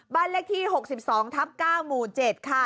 บ้านเลขที่๖๒ทับ๙หมู่๗ค่ะ